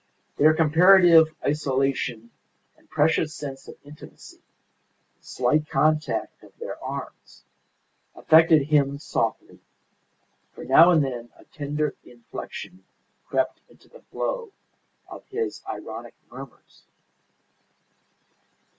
Their comparative isolation, the precious sense of intimacy, the slight contact of their arms, affected him softly; for now and then a tender inflection crept into the flow of his ironic murmurs.